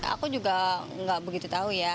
aku juga nggak begitu tahu ya